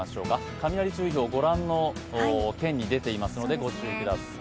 雷注意報、ご覧の県に出ていますのでご注意ください。